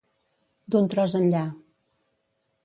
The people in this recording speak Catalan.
D'un tros enllà.